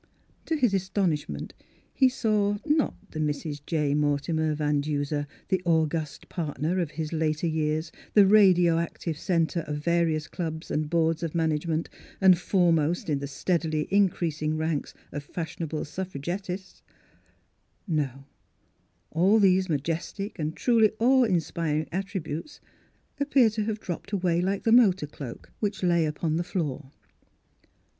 To his astonishment he saw — not the Mrs. J. Mortimer Van Duser, the august partner of his later years, the radio active centre of various clubs and Miss Philura's Wedding Gown boards of management, and foremost in the steadily increasing ranks of fashion able suffragists, — no; all these majestic and truly awe inspiring attributes ap peared to have dropped away like the motor cloak, which lay upon the floor.